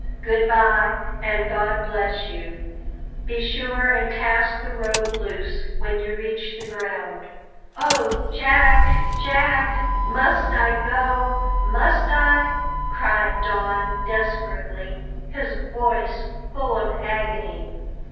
"Good bye, and God bless you! Be sure and cast the rope loose when you reach the ground." "Oh, Jack, Jack! Must I go must I?" cried Don desperately, his voice full of agony.